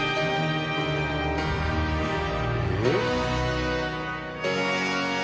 えっ？